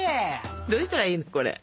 どうしたらいいのこれ。